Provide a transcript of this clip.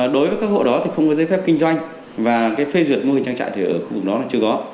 đối với các hộ đó thì không có giấy phép kinh doanh và cái phê duyệt mô hình trang trại thì ở khu vực đó là chưa có